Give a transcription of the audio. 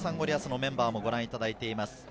リアスのメンバーもご覧いただいています。